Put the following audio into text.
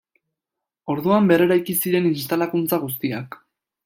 Orduan berreraiki ziren instalakuntza guztiak.